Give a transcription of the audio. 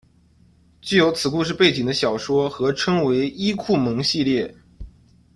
具有此故事背景的小说合称为伊库盟系列。